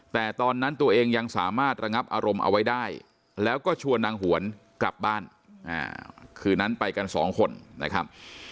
แต่ตอนนั้นตัวเองยังสามารถระงับอารมณ์เอาไว้ได้แล้วก็ชวนนางหวนกลับบ้านคืนนั้นไปกันสองคนนะครับ